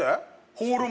ホールも？